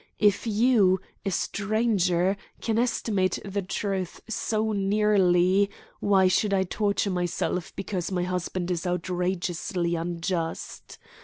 If you, a stranger, can estimate the truth so nearly, why should I torture myself because my husband is outrageously unjust?